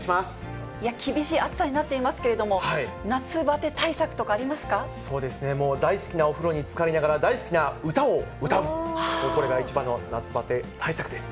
厳しい暑さになっていますけれども、そうですね、もう大好きなお風呂につかりながら、大好きな歌を歌う、もうこれが一番の夏バテ対策です。